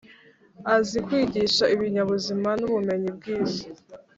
azi kwigisha ibinyabuzima n’ubumenyi bw’isi,